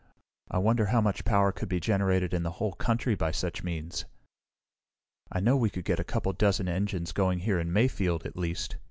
I wonder how much power could be generated in the whole country by such means?" "I know we could get a couple of dozen engines going here in Mayfield, at least!"